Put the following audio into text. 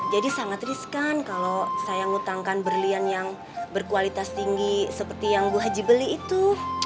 jadi sangat riskan kalo saya ngutangkan berlian yang berkualitas tinggi seperti yang bu haji beli itu